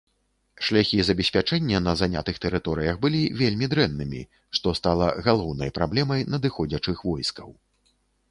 Шляхі забеспячэння на занятых тэрыторыях былі вельмі дрэннымі, што стала галоўнай праблемай надыходзячых войскаў.